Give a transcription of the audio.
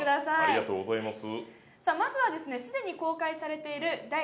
ありがとうございます。